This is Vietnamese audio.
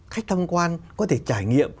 khách tham quan có thể trải nghiệm